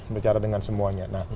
bicara dengan semuanya